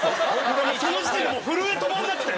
その時点でもう震え止まらなくて。